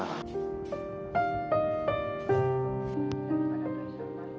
ya nggak cukup kalau buat pengobatan nggak cukup